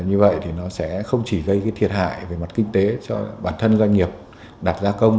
như vậy thì nó sẽ không chỉ gây thiệt hại về mặt kinh tế cho bản thân doanh nghiệp đặt gia công